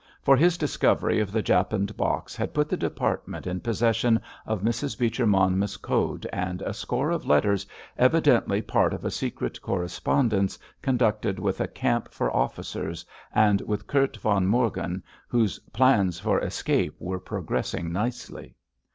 For his discovery of the japanned box had put the department in possession of Mrs. Beecher Monmouth's code and a score of letters evidently part of a secret correspondence conducted with a camp for officers, and with Kurt von Morgen, whose "plans for escape were progressing nicely"!